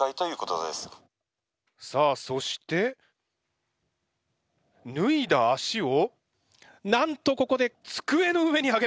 さあそして脱いだ足をなんとここで机の上に上げました！